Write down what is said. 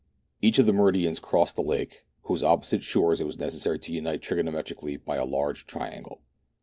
Each of the meridians crossed the lake, whose opposite shores it was necessary to unite trigono metrically by a large triangle.